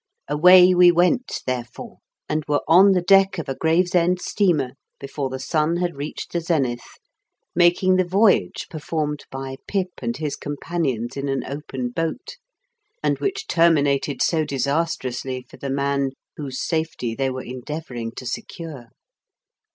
Away we went, therefore, and were on the deck of a Gravesend steamer before the sun had reached the zenith, making the voyage performed by Pip and his companions in an open, boat, and which terminated so disastrously for the man whose safety they were endeavouring to secure.